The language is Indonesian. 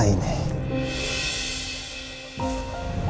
tidak ada apa apa